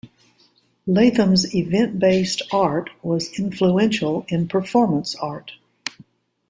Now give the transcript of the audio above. Latham's event-based art was influential in performance art.